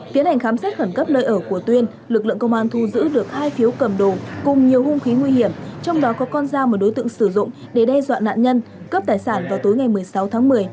tiến hành khám xét khẩn cấp nơi ở của tuyên lực lượng công an thu giữ được hai phiếu cầm đồ cùng nhiều hung khí nguy hiểm trong đó có con dao mà đối tượng sử dụng để đe dọa nạn nhân cướp tài sản vào tối ngày một mươi sáu tháng một mươi